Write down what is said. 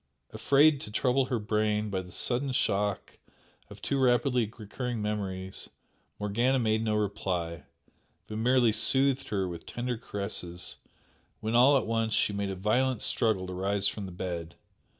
Afraid to trouble her brain by the sudden shock of too rapidly recurring memories, Morgana made no reply, but merely soothed her with tender caresses, when all at once she made a violent struggle to rise from the bed.